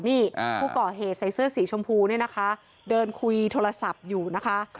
นี่ผู้ก่อเหตุใส่เสื้อสีชมพูเนี่ยนะคะเดินคุยโทรศัพท์อยู่นะคะ